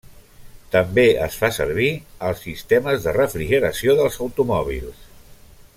També es fa servir als sistemes de refrigeració dels automòbils.